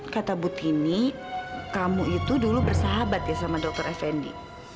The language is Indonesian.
kata bu tini kamu itu dulu bersahabat ya sama dokter effendi